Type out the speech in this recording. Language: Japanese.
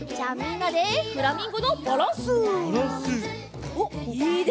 おっいいですね。